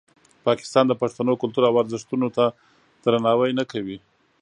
پاکستان د پښتنو کلتور او ارزښتونو ته درناوی نه کوي.